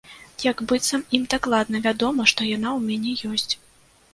Як быццам ім дакладна вядома, што яна ў мяне ёсць.